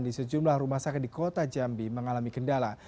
di sejumlah rumah sakit di kota jambi mengalami kendala